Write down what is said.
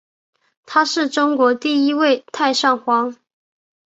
他是中国第一位太上皇。